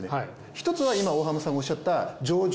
１つは今大浜さんがおっしゃった上場。